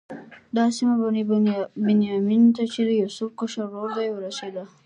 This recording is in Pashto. دا سیمه بني بنیامین ته چې د یوسف کشر ورور دی ورسېده.